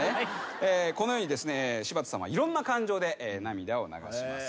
このように柴田さんはいろんな感情で涙を流します。